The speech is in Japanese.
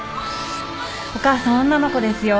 お母さん女の子ですよ。